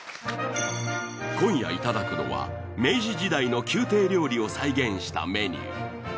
今夜いただくのは明治時代の宮廷料理を再現したメニュー。